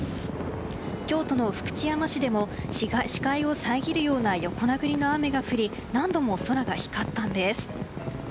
京都の福知山市でも視界を遮るような横殴りの雨が降り何度も空が光ったんです。